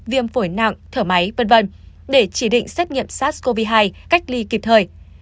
viêm phổi nặng thở máy v v để chỉ định xét nghiệm sars cov hai cách ly kịp thời